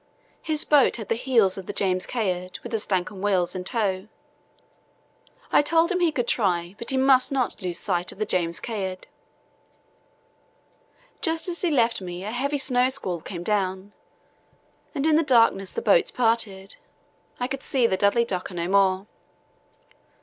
His boat had the heels of the James Caird, with the Stancomb Wills in tow. I told him he could try, but he must not lose sight of the James Caird. Just as he left me a heavy snow squall came down, and in the darkness the boats parted. I saw the Dudley Docker no more.